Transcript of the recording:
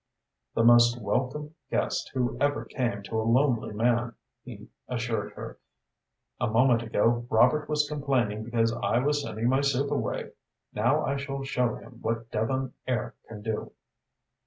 "The most welcome guest who ever came to a lonely man," he assured her. "A moment ago, Robert was complaining because I was sending my soup away. Now I shall show him what Devon air can do."